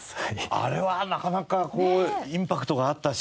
あれはなかなかインパクトがあったし。